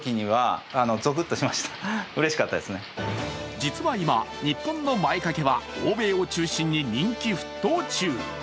実は今、日本の前掛けは欧米を中心に人気沸騰中。